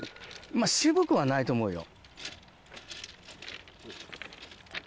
まぁ渋くはないと思うよ。